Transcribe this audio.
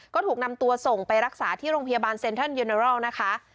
ก็ถูกนำตัวส่งไปรักษาที่โรงพยาบาลเซ็นทรัลเยเนอรอลนะคะ